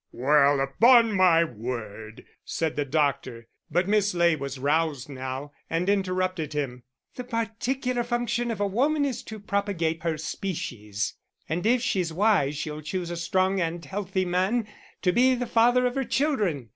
"Well, upon my word!" said the doctor. But Miss Ley was roused now, and interrupted him: "The particular function of a woman is to propagate her species; and if she's wise she'll choose a strong and healthy man to be the father of her children.